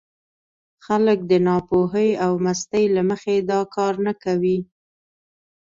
خلک د ناپوهۍ او مستۍ له مخې دا کار نه کوي.